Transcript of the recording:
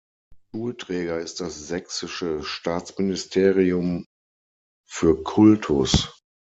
Schulträger ist das Sächsische Staatsministerium für Kultus.